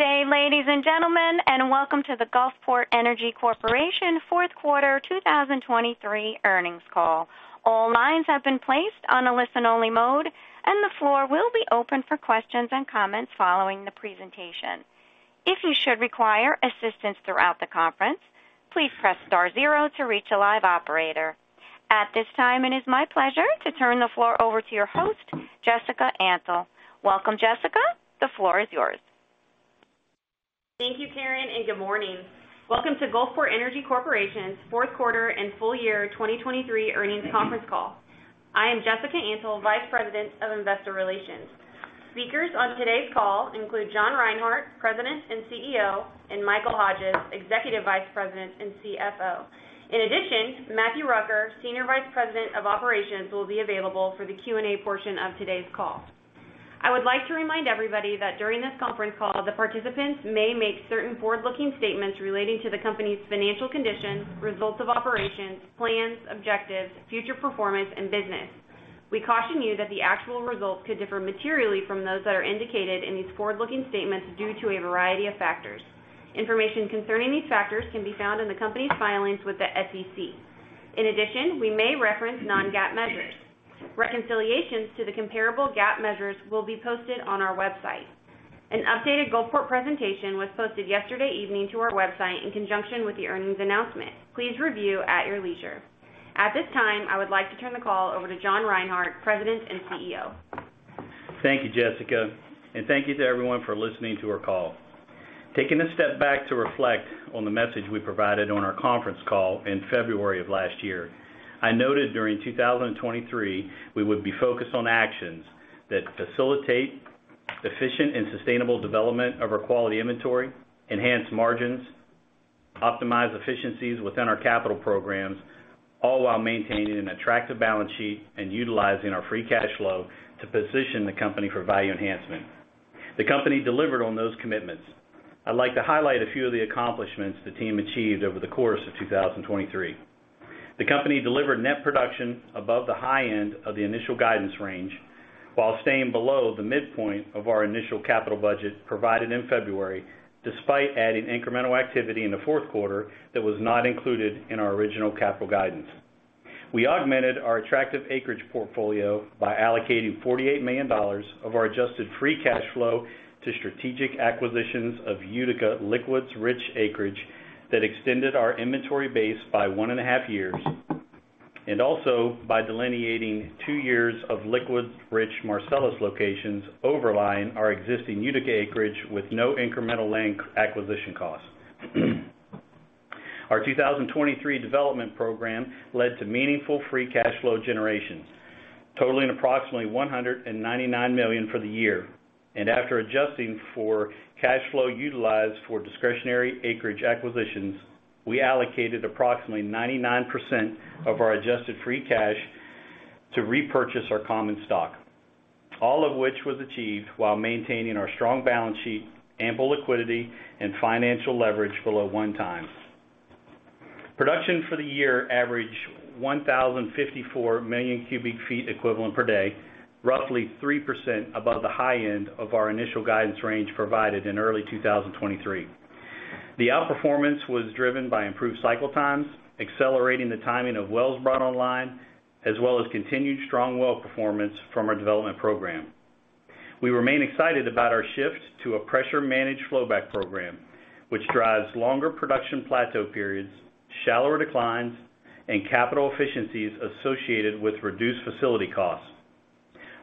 Good day, ladies and gentlemen, and welcome to the Gulfport Energy Corporation fourth quarter 2023 earnings call. All lines have been placed on a listen-only mode, and the floor will be open for questions and comments following the presentation. If you should require assistance throughout the conference, please press star zero to reach a live operator. At this time, it is my pleasure to turn the floor over to your host, Jessica Antle. Welcome, Jessica. The floor is yours. Thank you, Karen, and good morning. Welcome to Gulfport Energy Corporation's fourth quarter and full year 2023 earnings conference call. I am Jessica Antle, Vice President of Investor Relations. Speakers on today's call include John Reinhart, President and CEO, and Michael Hodges, Executive Vice President and CFO. In addition, Matthew Rucker, Senior Vice President of Operations, will be available for the Q&A portion of today's call. I would like to remind everybody that during this conference call, the participants may make certain forward-looking statements relating to the company's financial condition, results of operations, plans, objectives, future performance, and business. We caution you that the actual results could differ materially from those that are indicated in these forward-looking statements due to a variety of factors. Information concerning these factors can be found in the company's filings with the SEC. In addition, we may reference non-GAAP measures. Reconciliations to the comparable GAAP measures will be posted on our website. An updated Gulfport presentation was posted yesterday evening to our website in conjunction with the earnings announcement. Please review at your leisure. At this time, I would like to turn the call over to John Reinhart, President and CEO. Thank you, Jessica, and thank you to everyone for listening to our call. Taking a step back to reflect on the message we provided on our conference call in February of last year, I noted during 2023 we would be focused on actions that facilitate efficient and sustainable development of our quality inventory, enhance margins, optimize efficiencies within our capital programs, all while maintaining an attractive balance sheet and utilizing our free cash flow to position the company for value enhancement. The company delivered on those commitments. I'd like to highlight a few of the accomplishments the team achieved over the course of 2023. The company delivered net production above the high end of the initial guidance range while staying below the midpoint of our initial capital budget provided in February, despite adding incremental activity in the fourth quarter that was not included in our original capital guidance. We augmented our attractive acreage portfolio by allocating $48 million of our Adjusted Free Cash Flow to strategic acquisitions of Utica liquids-rich acreage that extended our inventory base by 1.5 years, and also by delineating 2 years of liquids-rich Marcellus locations overlying our existing Utica acreage with no incremental land acquisition costs. Our 2023 development program led to meaningful free cash flow generation, totaling approximately $199 million for the year. After adjusting for cash flow utilized for discretionary acreage acquisitions, we allocated approximately 99% of our Adjusted Free Cash Flow to repurchase our common stock, all of which was achieved while maintaining our strong balance sheet, ample liquidity, and financial leverage below 1x. Production for the year averaged 1,054 million cubic feet equivalent per day, roughly 3% above the high end of our initial guidance range provided in early 2023. The outperformance was driven by improved cycle times, accelerating the timing of wells brought online, as well as continued strong well performance from our development program. We remain excited about our shift to a pressure-managed flowback program, which drives longer production plateau periods, shallower declines, and capital efficiencies associated with reduced facility costs.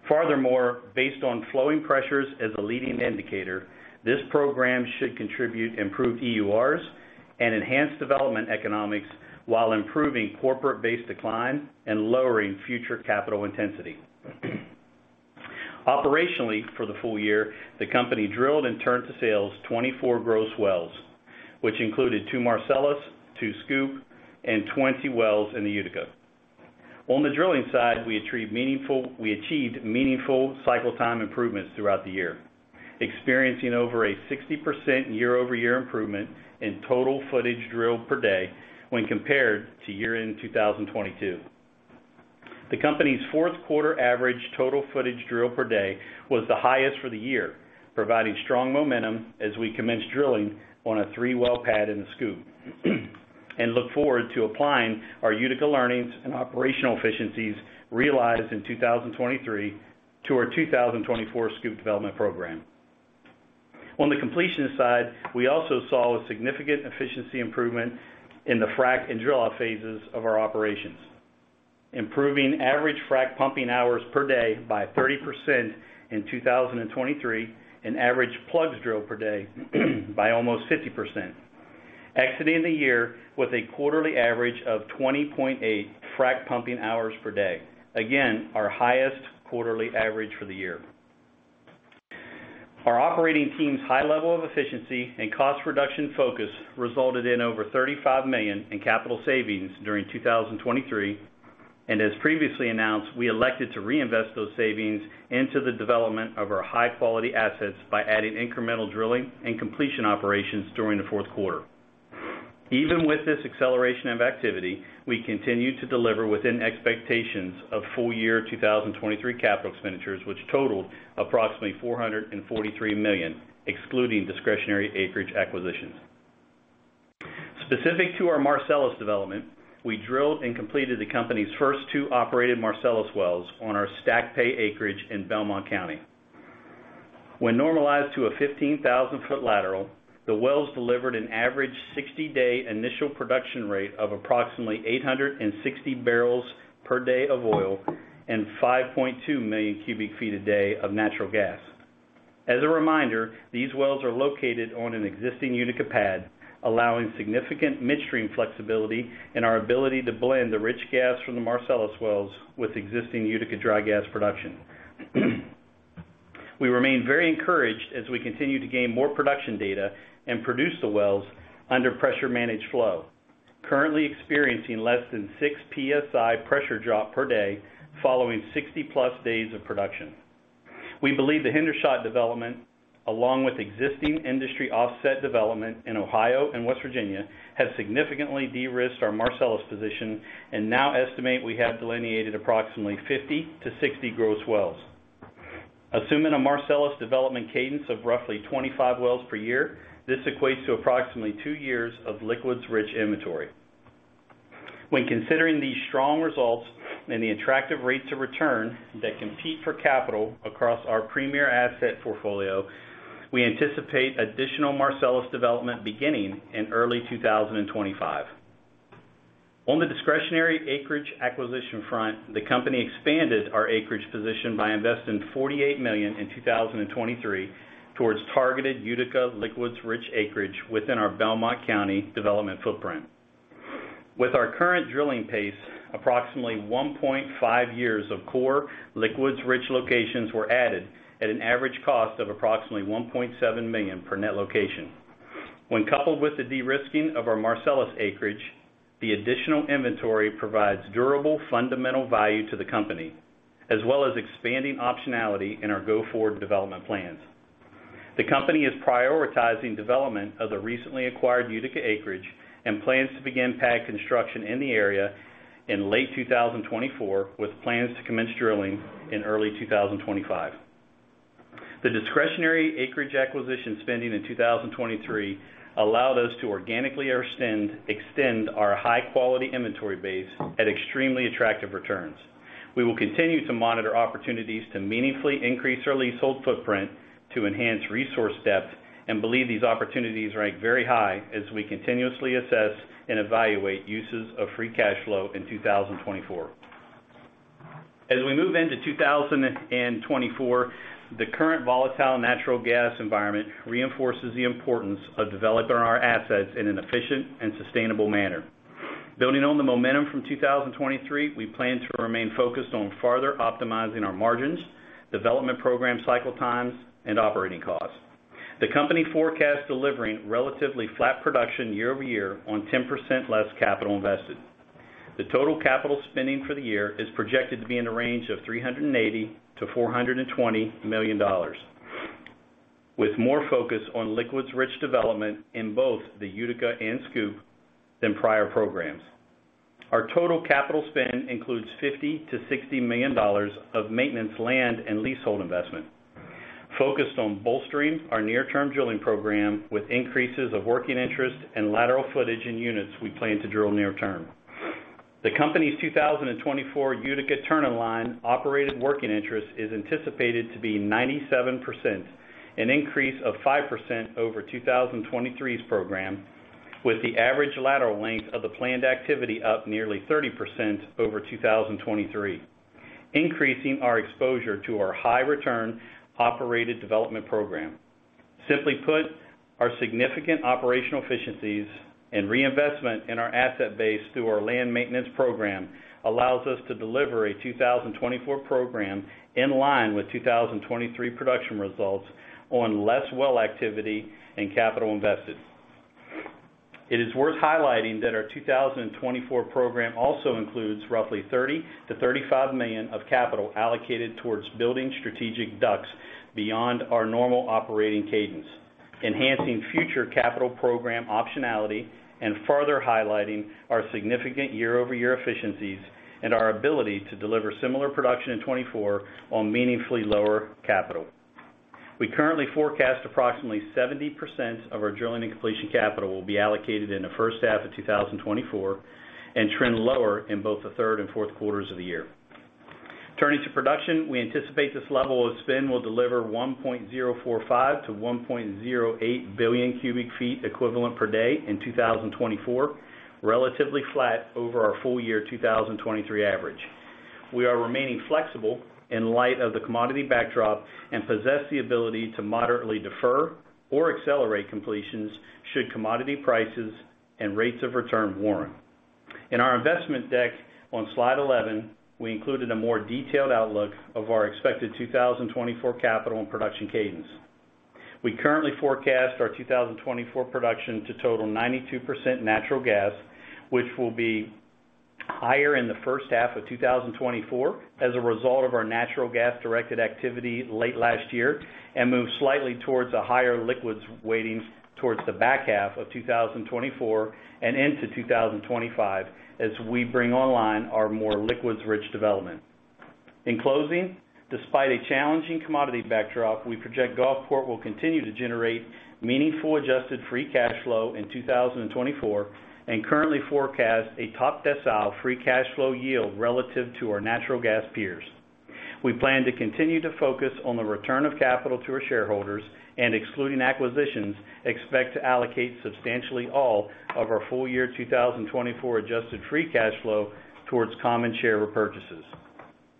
Furthermore, based on flowing pressures as a leading indicator, this program should contribute improved EURs and enhanced development economics while improving corporate-based decline and lowering future capital intensity. Operationally, for the full year, the company drilled and turned to sales 24 gross wells, which included 2 Marcellus, 2 SCOOP, and 20 wells in the Utica. On the drilling side, we achieved meaningful cycle time improvements throughout the year, experiencing over a 60% year-over-year improvement in total footage drilled per day when compared to year-end 2022. The company's fourth quarter average total footage drilled per day was the highest for the year, providing strong momentum as we commenced drilling on a 3-well pad in the SCOOP, and look forward to applying our Utica learnings and operational efficiencies realized in 2023 to our 2024 SCOOP development program. On the completion side, we also saw a significant efficiency improvement in the frack and drill-off phases of our operations, improving average frack pumping hours per day by 30% in 2023 and average plugs drilled per day by almost 50%, exiting the year with a quarterly average of 20.8 frac pumping hours per day, again, our highest quarterly average for the year. Our operating team's high level of efficiency and cost reduction focus resulted in over $35 million in capital savings during 2023. As previously announced, we elected to reinvest those savings into the development of our high-quality assets by adding incremental drilling and completion operations during the fourth quarter. Even with this acceleration of activity, we continue to deliver within expectations of full year 2023 capital expenditures, which totaled approximately $443 million, excluding discretionary acreage acquisitions. Specific to our Marcellus development, we drilled and completed the company's first two operated Marcellus wells on our stacked pay acreage in Belmont County. When normalized to a 15,000-foot lateral, the wells delivered an average 60-day initial production rate of approximately 860 barrels per day of oil and 5.2 million cubic feet a day of natural gas. As a reminder, these wells are located on an existing Utica pad, allowing significant midstream flexibility in our ability to blend the rich gas from the Marcellus wells with existing Utica dry gas production. We remain very encouraged as we continue to gain more production data and produce the wells under pressure-managed flow, currently experiencing less than 6 PSI pressure drop per day following 60+ days of production. We believe the Hendershot development, along with existing industry offset development in Ohio and West Virginia, have significantly de-risked our Marcellus position and now estimate we have delineated approximately 50-60 gross wells. Assuming a Marcellus development cadence of roughly 25 wells per year, this equates to approximately two years of liquids-rich inventory. When considering these strong results and the attractive rates of return that compete for capital across our premier asset portfolio, we anticipate additional Marcellus development beginning in early 2025. On the discretionary acreage acquisition front, the company expanded our acreage position by investing $48 million in 2023 towards targeted Utica liquids-rich acreage within our Belmont County development footprint. With our current drilling pace, approximately 1.5 years of core liquids-rich locations were added at an average cost of approximately $1.7 million per net location. When coupled with the de-risking of our Marcellus acreage, the additional inventory provides durable fundamental value to the company, as well as expanding optionality in our go-forward development plans. The company is prioritizing development of the recently acquired Utica acreage and plans to begin pad construction in the area in late 2024 with plans to commence drilling in early 2025. The discretionary acreage acquisition spending in 2023 allowed us to organically extend our high-quality inventory base at extremely attractive returns. We will continue to monitor opportunities to meaningfully increase our leasehold footprint to enhance resource depth and believe these opportunities rank very high as we continuously assess and evaluate uses of free cash flow in 2024. As we move into 2024, the current volatile natural gas environment reinforces the importance of developing our assets in an efficient and sustainable manner. Building on the momentum from 2023, we plan to remain focused on further optimizing our margins, development program cycle times, and operating costs. The company forecasts delivering relatively flat production year-over-year on 10% less capital invested. The total capital spending for the year is projected to be in the range of $380-$420 million, with more focus on liquids-rich development in both the Utica and SCOOP than prior programs. Our total capital spend includes $50-$60 million of maintenance land and leasehold investment, focused on bolstering our near-term drilling program with increases of working interest and lateral footage in units we plan to drill near term. The company's 2024 Utica turn-in-line operated working interest is anticipated to be 97%, an increase of 5% over 2023's program, with the average lateral length of the planned activity up nearly 30% over 2023, increasing our exposure to our high-return operated development program. Simply put, our significant operational efficiencies and reinvestment in our asset base through our land maintenance program allows us to deliver a 2024 program in line with 2023 production results on less well activity and capital invested. It is worth highlighting that our 2024 program also includes roughly $30-$35 million of capital allocated towards building strategic DUCs beyond our normal operating cadence, enhancing future capital program optionality and further highlighting our significant year-over-year efficiencies and our ability to deliver similar production in 2024 on meaningfully lower capital. We currently forecast approximately 70% of our drilling and completion capital will be allocated in the first half of 2024 and trend lower in both the third and fourth quarters of the year. Turning to production, we anticipate this level of spend will deliver $1.045-$1.08 billion cubic feet equivalent per day in 2024, relatively flat over our full year 2023 average. We are remaining flexible in light of the commodity backdrop and possess the ability to moderately defer or accelerate completions should commodity prices and rates of return warrant. In our investment deck on slide 11, we included a more detailed outlook of our expected 2024 capital and production cadence. We currently forecast our 2024 production to total 92% natural gas, which will be higher in the first half of 2024 as a result of our natural gas-directed activity late last year and move slightly towards a higher liquids weighting towards the back half of 2024 and into 2025 as we bring online our more liquids-rich development. In closing, despite a challenging commodity backdrop, we project Gulfport will continue to generate meaningful adjusted free cash flow in 2024 and currently forecast a top decile free cash flow yield relative to our natural gas peers. We plan to continue to focus on the return of capital to our shareholders and, excluding acquisitions, expect to allocate substantially all of our full year 2024 adjusted free cash flow towards common share repurchases.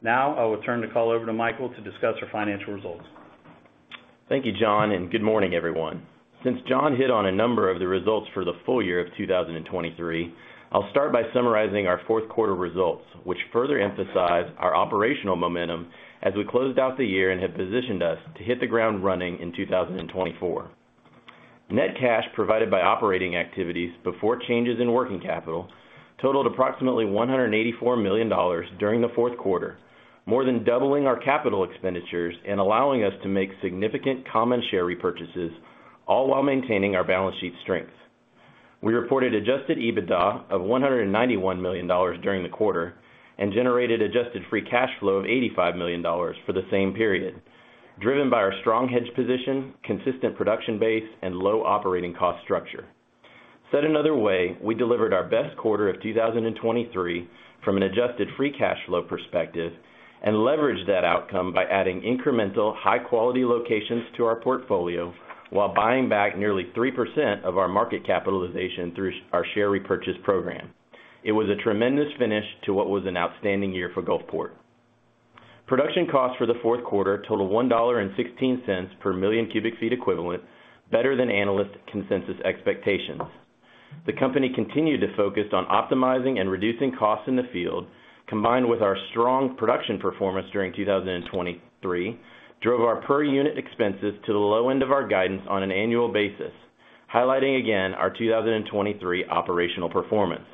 Now, I will turn the call over to Michael to discuss our financial results. Thank you, John, and good morning, everyone. Since John hit on a number of the results for the full year of 2023, I'll start by summarizing our fourth quarter results, which further emphasize our operational momentum as we closed out the year and have positioned us to hit the ground running in 2024. Net cash provided by operating activities before changes in working capital totaled approximately $184 million during the fourth quarter, more than doubling our capital expenditures and allowing us to make significant common share repurchases, all while maintaining our balance sheet strength. We reported Adjusted EBITDA of $191 million during the quarter and generated Adjusted Free Cash Flow of $85 million for the same period, driven by our strong hedge position, consistent production base, and low operating cost structure. Said another way, we delivered our best quarter of 2023 from an Adjusted Free Cash Flow perspective and leveraged that outcome by adding incremental high-quality locations to our portfolio while buying back nearly 3% of our market capitalization through our share repurchase program. It was a tremendous finish to what was an outstanding year for Gulfport. Production costs for the fourth quarter totaled $1.16 per million cubic feet equivalent, better than analyst consensus expectations. The company continued to focus on optimizing and reducing costs in the field, combined with our strong production performance during 2023, drove our per-unit expenses to the low end of our guidance on an annual basis, highlighting again our 2023 operational performance.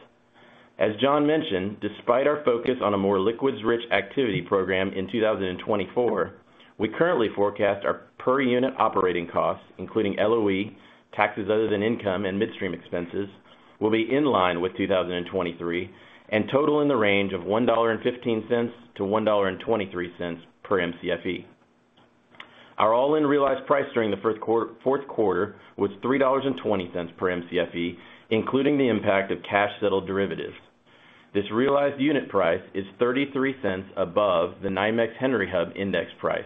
As John mentioned, despite our focus on a more liquids-rich activity program in 2024, we currently forecast our per-unit operating costs, including LOE, taxes other than income, and midstream expenses, will be in line with 2023 and total in the range of $1.15-$1.23 per MCFE. Our all-in realized price during the fourth quarter was $3.20 per MCFE, including the impact of cash-settled derivatives. This realized unit price is $0.33 above the NYMEX Henry Hub index price,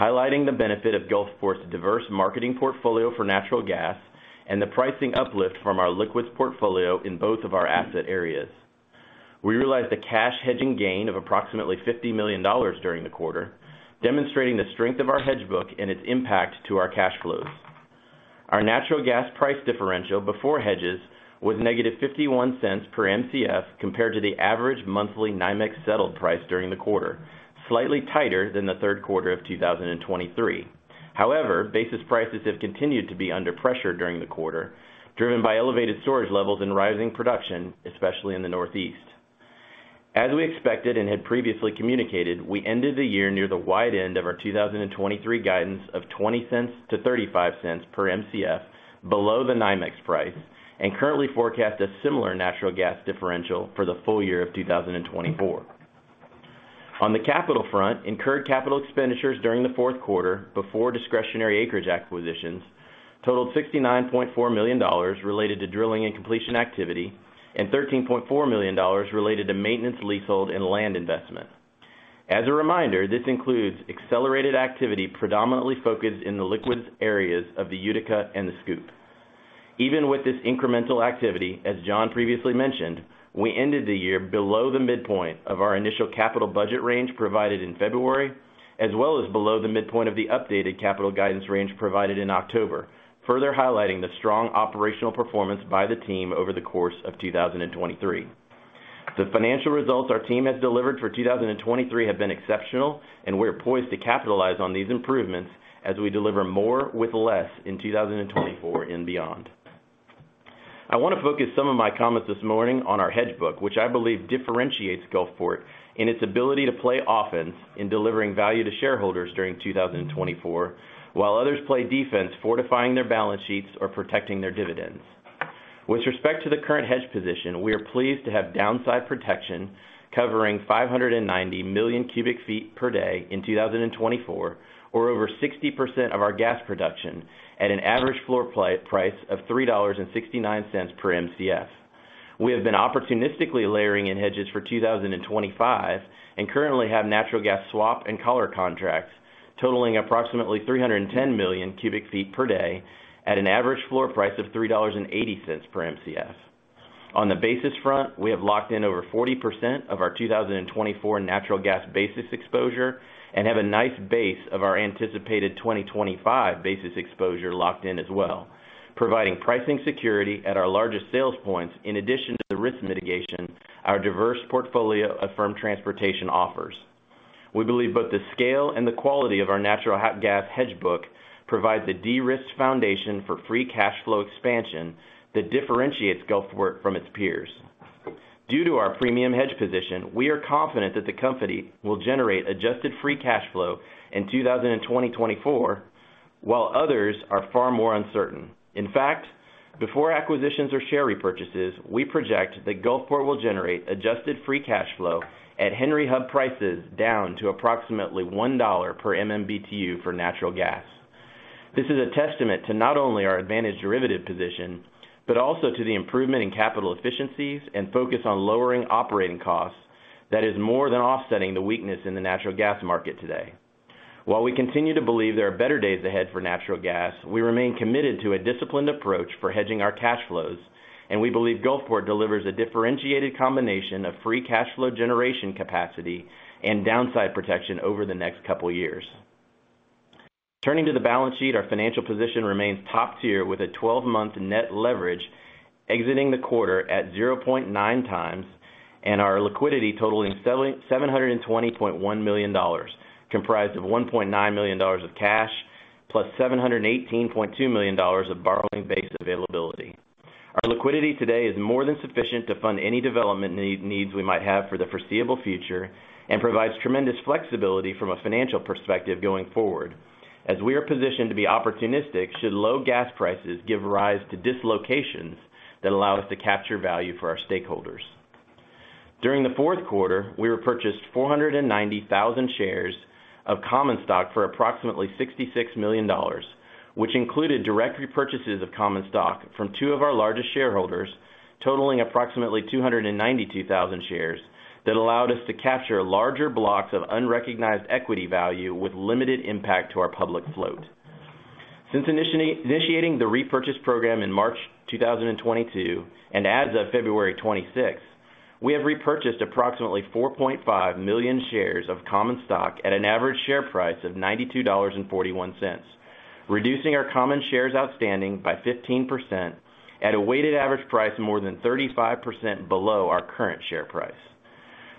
highlighting the benefit of Gulfport's diverse marketing portfolio for natural gas and the pricing uplift from our liquids portfolio in both of our asset areas. We realized a cash hedging gain of approximately $50 million during the quarter, demonstrating the strength of our hedge book and its impact to our cash flows. Our natural gas price differential before hedges was -$0.51 per MCF compared to the average monthly NYMEX settled price during the quarter, slightly tighter than the third quarter of 2023. However, basis prices have continued to be under pressure during the quarter, driven by elevated storage levels and rising production, especially in the Northeast. As we expected and had previously communicated, we ended the year near the wide end of our 2023 guidance of $0.20-$0.35 per MCF below the NYMEX price and currently forecast a similar natural gas differential for the full year of 2024. On the capital front, incurred capital expenditures during the fourth quarter before discretionary acreage acquisitions totaled $69.4 million related to drilling and completion activity and $13.4 million related to maintenance leasehold and land investment. As a reminder, this includes accelerated activity predominantly focused in the liquids areas of the Utica and the SCOOP. Even with this incremental activity, as John previously mentioned, we ended the year below the midpoint of our initial capital budget range provided in February, as well as below the midpoint of the updated capital guidance range provided in October, further highlighting the strong operational performance by the team over the course of 2023. The financial results our team has delivered for 2023 have been exceptional, and we're poised to capitalize on these improvements as we deliver more with less in 2024 and beyond. I want to focus some of my comments this morning on our hedge book, which I believe differentiates Gulfport in its ability to play offense in delivering value to shareholders during 2024 while others play defense, fortifying their balance sheets or protecting their dividends. With respect to the current hedge position, we are pleased to have downside protection covering 590 million cubic feet per day in 2024, or over 60% of our gas production, at an average floor price of $3.69 per MCF. We have been opportunistically layering in hedges for 2025 and currently have natural gas swap and collar contracts totaling approximately 310 million cubic feet per day, at an average floor price of $3.80 per MCF. On the basis front, we have locked in over 40% of our 2024 natural gas basis exposure and have a nice base of our anticipated 2025 basis exposure locked in as well, providing pricing security at our largest sales points in addition to the risk mitigation our diverse portfolio of firm transportation offers. We believe both the scale and the quality of our natural gas hedge book provide the de-risk foundation for free cash flow expansion that differentiates Gulfport from its peers. Due to our premium hedge position, we are confident that the company will generate adjusted free cash flow in 2024, while others are far more uncertain. In fact, before acquisitions or share repurchases, we project that Gulfport will generate adjusted free cash flow at Henry Hub prices down to approximately $1 per MMBTU for natural gas. This is a testament to not only our advantaged derivative position but also to the improvement in capital efficiencies and focus on lowering operating costs that is more than offsetting the weakness in the natural gas market today. While we continue to believe there are better days ahead for natural gas, we remain committed to a disciplined approach for hedging our cash flows, and we believe Gulfport delivers a differentiated combination of free cash flow generation capacity and downside protection over the next couple of years. Turning to the balance sheet, our financial position remains top tier with a 12-month net leverage exiting the quarter at 0.9 times and our liquidity totaling $720.1 million, comprised of $1.9 million of cash plus $718.2 million of borrowing base availability. Our liquidity today is more than sufficient to fund any development needs we might have for the foreseeable future and provides tremendous flexibility from a financial perspective going forward, as we are positioned to be opportunistic should low gas prices give rise to dislocations that allow us to capture value for our stakeholders. During the fourth quarter, we repurchased 490,000 shares of common stock for approximately $66 million, which included direct repurchases of common stock from two of our largest shareholders, totaling approximately 292,000 shares that allowed us to capture larger blocks of unrecognized equity value with limited impact to our public float. Since initiating the repurchase program in March 2022 and as of February 26, we have repurchased approximately 4.5 million shares of common stock at an average share price of $92.41, reducing our common shares outstanding by 15% at a weighted average price more than 35% below our current share price.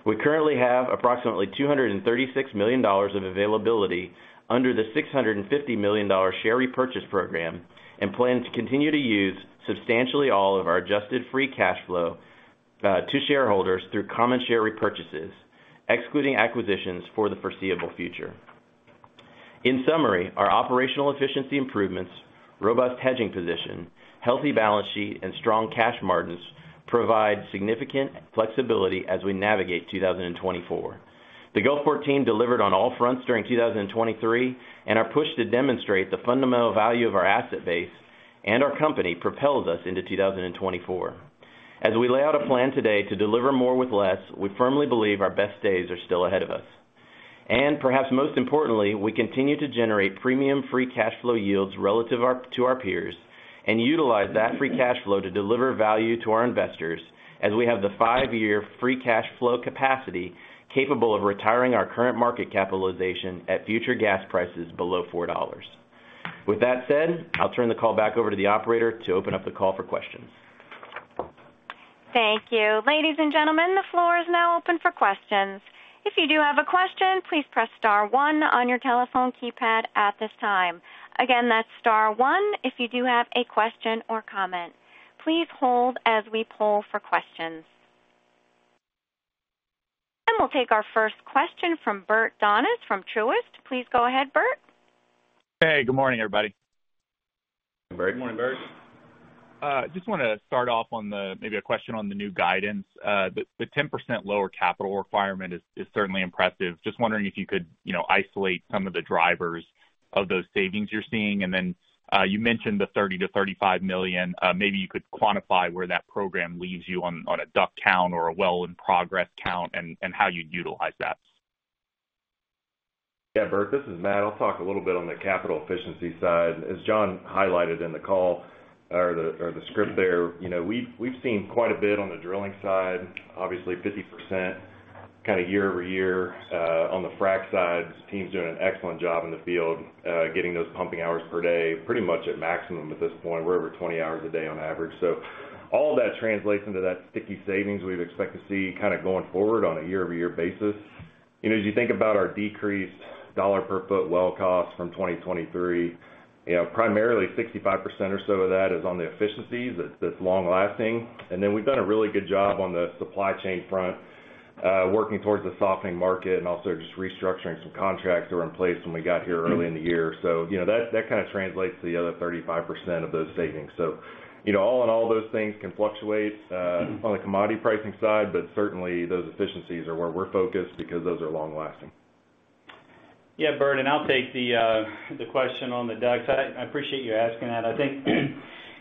We currently have approximately $236 million of availability under the $650 million share repurchase program and plan to continue to use substantially all of our adjusted free cash flow to shareholders through common share repurchases, excluding acquisitions for the foreseeable future. In summary, our operational efficiency improvements, robust hedging position, healthy balance sheet, and strong cash margins provide significant flexibility as we navigate 2024. The Gulfport team delivered on all fronts during 2023 and are pushed to demonstrate the fundamental value of our asset base, and our company propels us into 2024. As we lay out a plan today to deliver more with less, we firmly believe our best days are still ahead of us. Perhaps most importantly, we continue to generate premium free cash flow yields relative to our peers and utilize that free cash flow to deliver value to our investors as we have the 5-year free cash flow capacity capable of retiring our current market capitalization at future gas prices below $4. With that said, I'll turn the call back over to the operator to open up the call for questions. Thank you. Ladies and gentlemen, the floor is now open for questions. If you do have a question, please press star one on your telephone keypad at this time. Again, that's star one if you do have a question or comment. Please hold as we poll for questions. We'll take our first question from Bert Donnes from Truist. Please go ahead, Bert. Hey, good morning, everybody. Good morning, Bert. Just want to start off on maybe a question on the new guidance. The 10% lower capital requirement is certainly impressive. Just wondering if you could isolate some of the drivers of those savings you're seeing. And then you mentioned the $30 million-$35 million. Maybe you could quantify where that program leaves you on a DUC count or a well-in-progress count and how you'd utilize that. Yeah, Bert. This is Matt. I'll talk a little bit on the capital efficiency side. As John highlighted in the call or the script there, we've seen quite a bit on the drilling side, obviously 50% kind of year-over-year. On the frac side, the team's doing an excellent job in the field, getting those pumping hours per day pretty much at maximum at this point. We're over 20 hours a day on average. So all of that translates into that sticky savings we'd expect to see kind of going forward on a year-over-year basis. As you think about our decreased dollar-per-foot well costs from 2023, primarily 65% or so of that is on the efficiencies that's long-lasting. And then we've done a really good job on the supply chain front, working towards a softening market and also just restructuring some contracts that were in place when we got here early in the year. So that kind of translates to the other 35% of those savings. So all in all, those things can fluctuate on the commodity pricing side, but certainly those efficiencies are where we're focused because those are long-lasting. Yeah, Bert. I'll take the question on the DUCs. I appreciate you asking that. I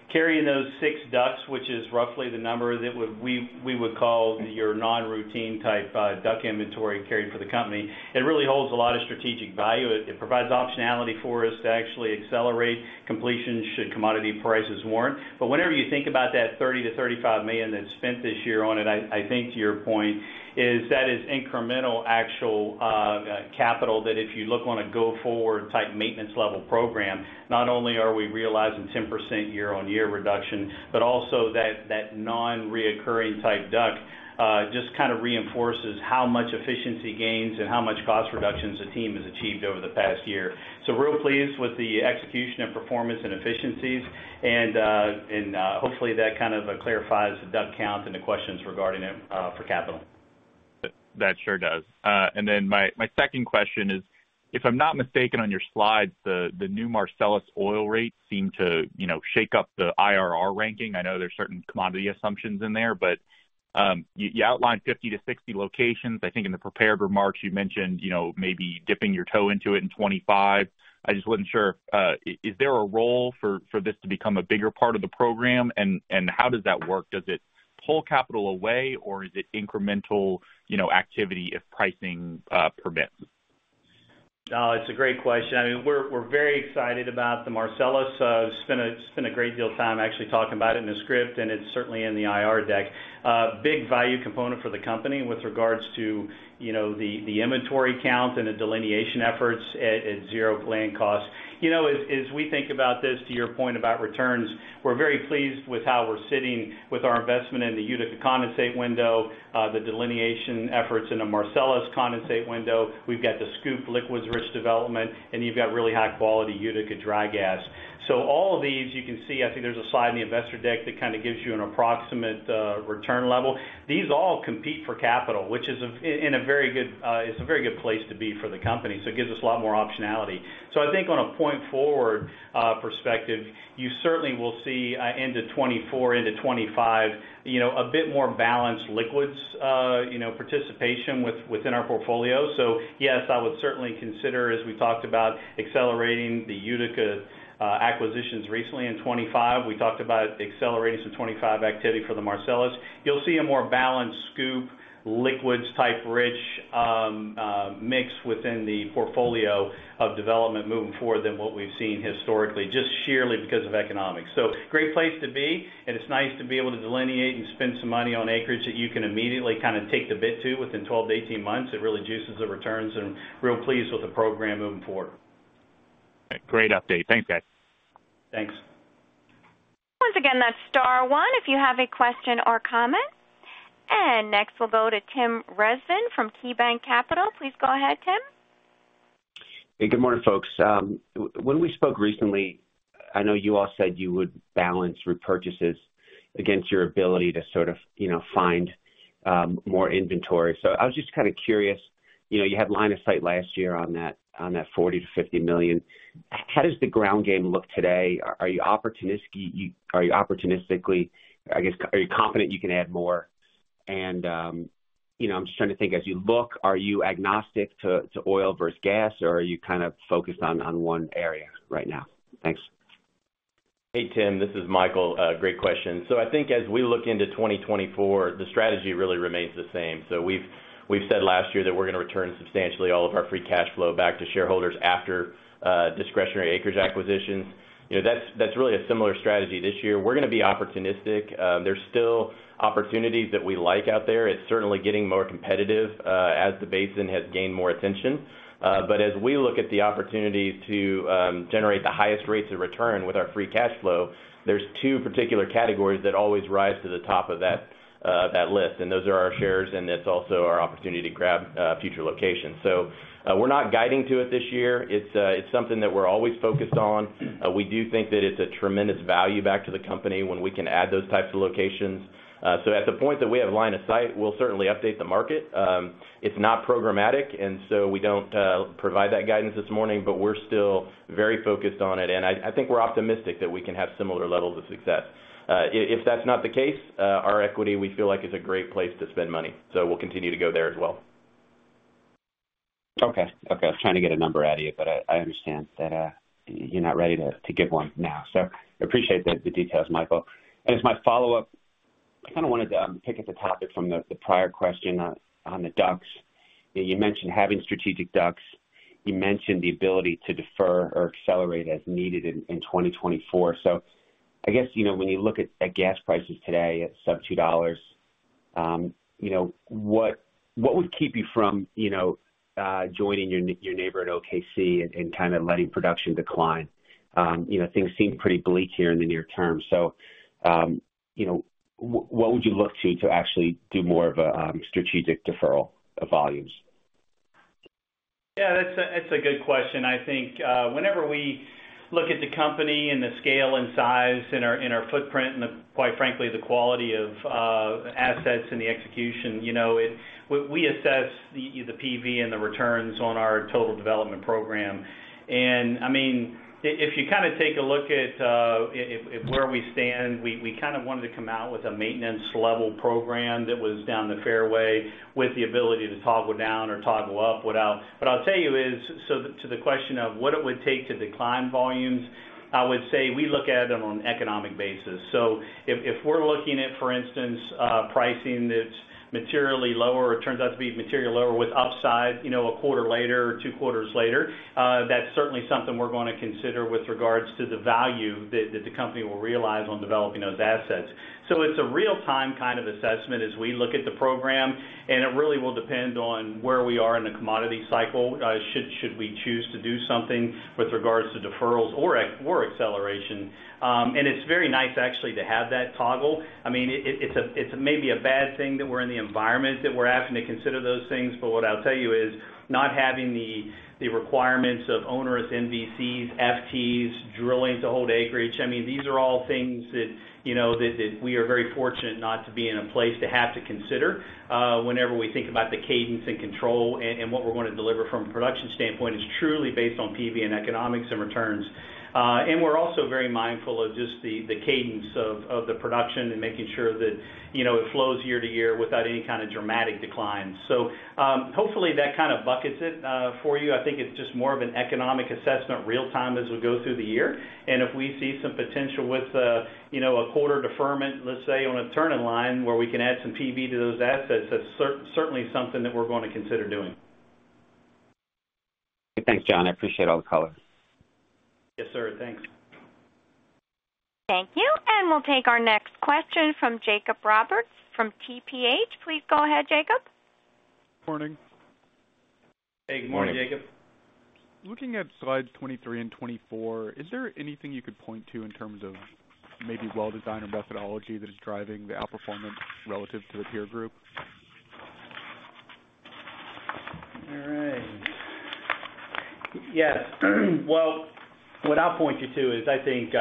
think carrying those 6 DUCs, which is roughly the number that we would call your non-routine type DUC inventory carried for the company, it really holds a lot of strategic value. It provides optionality for us to actually accelerate completion should commodity prices warrant. But whenever you think about that $30 million-$35 million that's spent this year on it, I think to your point, that is incremental actual capital that if you look on a go-forward type maintenance-level program, not only are we realizing 10% year-on-year reduction, but also that non-recurring type DUC just kind of reinforces how much efficiency gains and how much cost reductions the team has achieved over the past year. So real pleased with the execution and performance and efficiencies. Hopefully, that kind of clarifies the DUC count and the questions regarding it for capital. That sure does. Then my second question is, if I'm not mistaken on your slides, the new Marcellus oil rate seemed to shake up the IRR ranking. I know there's certain commodity assumptions in there, but you outlined 50-60 locations. I think in the prepared remarks, you mentioned maybe dipping your toe into it in 2025. I just wasn't sure. Is there a role for this to become a bigger part of the program, and how does that work? Does it pull capital away, or is it incremental activity if pricing permits? It's a great question. I mean, we're very excited about the Marcellus. I've spent a great deal of time actually talking about it in the script, and it's certainly in the IR deck. Big value component for the company with regards to the inventory count and the delineation efforts at zero land costs. As we think about this, to your point about returns, we're very pleased with how we're sitting with our investment in the Utica condensate window, the delineation efforts in a Marcellus condensate window. We've got the SCOOP liquids-rich development, and you've got really high-quality Utica dry gas. So all of these, you can see I think there's a slide in the investor deck that kind of gives you an approximate return level. These all compete for capital, which is in a very good, it's a very good place to be for the company. So it gives us a lot more optionality. So I think on a point-forward perspective, you certainly will see into 2024, into 2025, a bit more balanced liquids participation within our portfolio. So yes, I would certainly consider, as we talked about, accelerating the Utica acquisitions recently in 2025. We talked about accelerating some 2025 activity for the Marcellus. You'll see a more balanced SCOOP liquids-type-rich mix within the portfolio of development moving forward than what we've seen historically, just sheerly because of economics. So great place to be, and it's nice to be able to delineate and spend some money on acreage that you can immediately kind of take the bit to within 12-18 months. It really juices the returns, and real pleased with the program moving forward. Great update. Thanks, guys. Thanks. Once again, that's star one if you have a question or comment. Next, we'll go to Tim Rezvan from KeyBanc Capital Markets. Please go ahead, Tim. Hey, good morning, folks. When we spoke recently, I know you all said you would balance repurchases against your ability to sort of find more inventory. So I was just kind of curious. You had line of sight last year on that $40 million-$50 million. How does the ground game look today? Are you opportunistically, I guess, are you confident you can add more? And I'm just trying to think. As you look, are you agnostic to oil versus gas, or are you kind of focused on one area right now? Thanks. Hey, Tim. This is Michael. Great question. So I think as we look into 2024, the strategy really remains the same. So we've said last year that we're going to return substantially all of our free cash flow back to shareholders after discretionary acreage acquisitions. That's really a similar strategy this year. We're going to be opportunistic. There's still opportunities that we like out there. It's certainly getting more competitive as the basin has gained more attention. But as we look at the opportunities to generate the highest rates of return with our free cash flow, there's two particular categories that always rise to the top of that list, and those are our shares, and it's also our opportunity to grab future locations. So we're not guiding to it this year. It's something that we're always focused on. We do think that it's a tremendous value back to the company when we can add those types of locations. So at the point that we have line of sight, we'll certainly update the market. It's not programmatic, and so we don't provide that guidance this morning, but we're still very focused on it. And I think we're optimistic that we can have similar levels of success. If that's not the case, our equity, we feel like, is a great place to spend money. So we'll continue to go there as well. Okay. Okay. I was trying to get a number out of you, but I understand that you're not ready to give one now. So appreciate the details, Michael. And as my follow-up, I kind of wanted to pick at the topic from the prior question on the DUCs. You mentioned having strategic DUCs. You mentioned the ability to defer or accelerate as needed in 2024. So I guess when you look at gas prices today at sub-$2, what would keep you from joining your neighbor at OKC and kind of letting production decline? Things seem pretty bleak here in the near term. So what would you look to to actually do more of a strategic deferral of volumes? Yeah, that's a good question. I think whenever we look at the company and the scale and size and our footprint and, quite frankly, the quality of assets and the execution, we assess the PV and the returns on our total development program. And I mean, if you kind of take a look at where we stand, we kind of wanted to come out with a maintenance-level program that was down the fairway with the ability to toggle down or toggle up without but I'll tell you is so to the question of what it would take to decline volumes. I would say we look at it on an economic basis. So if we're looking at, for instance, pricing that's materially lower or turns out to be materially lower with upside a quarter later or two quarters later, that's certainly something we're going to consider with regards to the value that the company will realize on developing those assets. So it's a real-time kind of assessment as we look at the program, and it really will depend on where we are in the commodity cycle, should we choose to do something with regards to deferrals or acceleration. And it's very nice, actually, to have that toggle. I mean, it's maybe a bad thing that we're in the environment that we're asking to consider those things, but what I'll tell you is not having the requirements of onerous MVCs, FTs, drilling to hold acreage. I mean, these are all things that we are very fortunate not to be in a place to have to consider. Whenever we think about the cadence and control and what we're going to deliver from a production standpoint, it's truly based on PV and economics and returns. And we're also very mindful of just the cadence of the production and making sure that it flows year to year without any kind of dramatic declines. So hopefully, that kind of buckets it for you. I think it's just more of an economic assessment real-time as we go through the year. If we see some potential with a quarter deferment, let's say, on a turning line where we can add some PV to those assets, that's certainly something that we're going to consider doing. Thanks, John. I appreciate all the color. Yes, sir. Thanks. Thank you. And we'll take our next question from Jacob Roberts from TPH. Please go ahead, Jacob. Good morning. Hey, good morning, Jacob. Morning. Looking at slides 23 and 24, is there anything you could point to in terms of maybe well-design or methodology that is driving the outperformance relative to the peer group? All right. Yes. Well, what I'll point you to is I think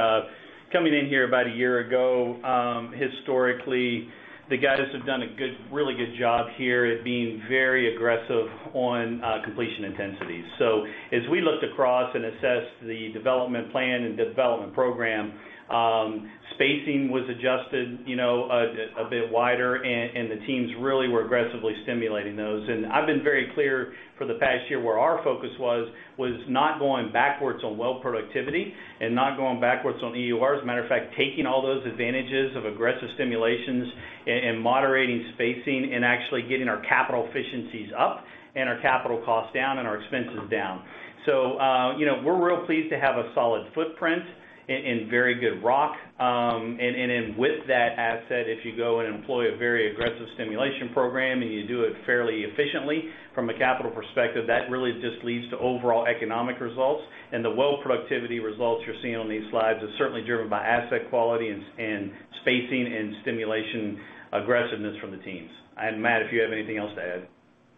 coming in here about a year ago, historically, the guys have done a really good job here at being very aggressive on completion intensities. So as we looked across and assessed the development plan and development program, spacing was adjusted a bit wider, and the teams really were aggressively stimulating those. And I've been very clear for the past year where our focus was not going backwards on well productivity and not going backwards on EURs. As a matter of fact, taking all those advantages of aggressive stimulations and moderating spacing and actually getting our capital efficiencies up and our capital costs down and our expenses down. So we're real pleased to have a solid footprint and very good rock. And then with that asset, if you go and employ a very aggressive stimulation program and you do it fairly efficiently from a capital perspective, that really just leads to overall economic results. And the well productivity results you're seeing on these slides are certainly driven by asset quality and spacing and stimulation aggressiveness from the teams. Matt, if you have anything else to add.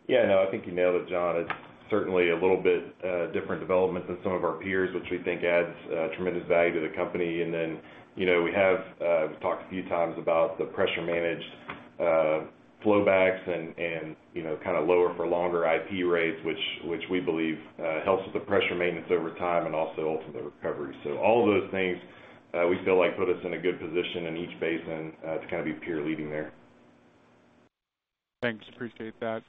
Yeah. No, I think you nailed it, John. It's certainly a little bit different development than some of our peers, which we think adds tremendous value to the company. And then we have talked a few times about the pressure-managed flowbacks and kind of lower-for-longer IP rates, which we believe helps with the pressure maintenance over time and also ultimately recovery. So all of those things, we feel like, put us in a good position in each basin to kind of be peer-leading there. Thanks. Appreciate that.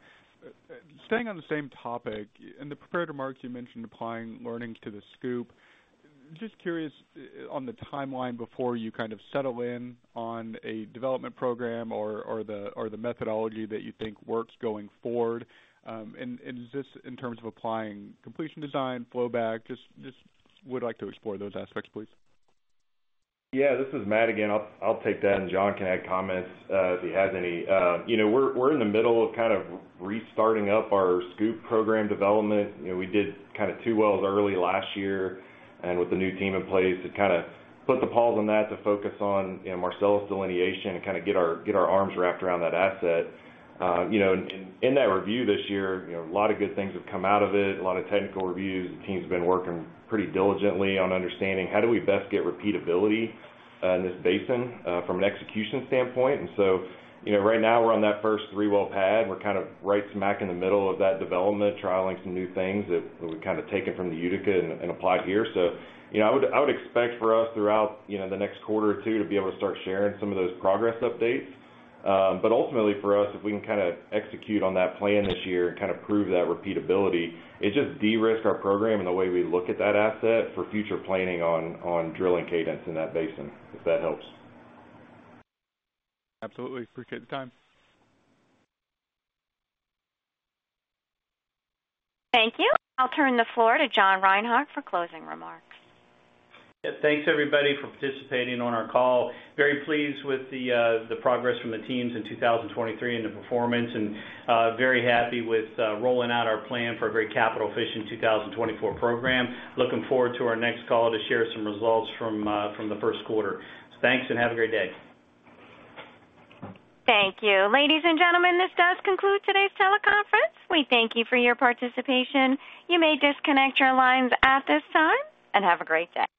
Staying on the same topic, in the prepared remarks, you mentioned applying learning to the SCOOP. Just curious on the timeline before you kind of settle in on a development program or the methodology that you think works going forward. And is this in terms of applying completion design, flowback? Just would like to explore those aspects, please. Yeah. This is Matt again. I'll take that, and John can add comments if he has any. We're in the middle of kind of restarting up our SCOOP program development. We did kind of two wells early last year, and with the new team in place, it kind of put the pause on that to focus on Marcellus delineation and kind of get our arms wrapped around that asset. In that review this year, a lot of good things have come out of it, a lot of technical reviews. The team's been working pretty diligently on understanding how do we best get repeatability in this basin from an execution standpoint. And so right now, we're on that first three-well pad. We're kind of right smack in the middle of that development, trialing some new things that we've kind of taken from the Utica and applied here. So I would expect for us throughout the next quarter or two to be able to start sharing some of those progress updates. But ultimately, for us, if we can kind of execute on that plan this year and kind of prove that repeatability, it just de-risk our program and the way we look at that asset for future planning on drilling cadence in that basin, if that helps. Absolutely. Appreciate the time. Thank you. I'll turn the floor to John Reinhart for closing remarks. Yeah. Thanks, everybody, for participating on our call. Very pleased with the progress from the teams in 2023 and the performance and very happy with rolling out our plan for a very capital-efficient 2024 program. Looking forward to our next call to share some results from the first quarter. Thanks and have a great day. Thank you. Ladies and gentlemen, this does conclude today's teleconference. We thank you for your participation. You may disconnect your lines at this time and have a great day.